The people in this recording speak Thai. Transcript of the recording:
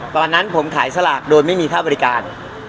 ตอนนั้นผมขายสลากโดยไม่มีค่าบริการ